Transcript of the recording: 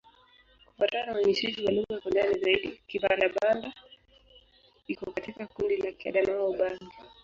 Kufuatana na uainishaji wa lugha kwa ndani zaidi, Kibanda-Banda iko katika kundi la Kiadamawa-Ubangi.